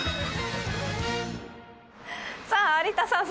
さあ有田さん